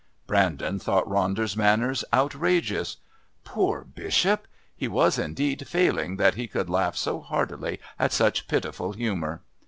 Brandon thought Ronder's manners outrageous. Poor Bishop! He was indeed failing that he could laugh so heartily at such pitiful humour.